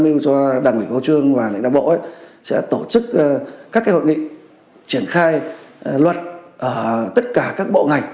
mưu cho đảng ủy câu trương và lãnh đạo bộ sẽ tổ chức các hội nghị triển khai luật ở tất cả các bộ ngành